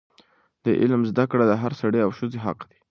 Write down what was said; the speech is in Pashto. د علم زده کړه د هر سړي او ښځې حق دی.